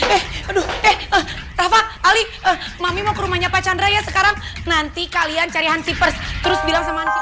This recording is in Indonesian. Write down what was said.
eh eh rafa ali mami mau ke rumahnya pak chandra ya sekarang nanti kalian cari hansi pers terus bilang sama hansi pers